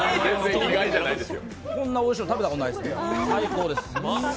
こんなおいしいの食べたことないです、最高です。